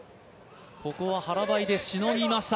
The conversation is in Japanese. ここは腹ばいでしのぎました。